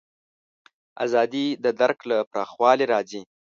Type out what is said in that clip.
ازادي د درک له پراخوالي راځي.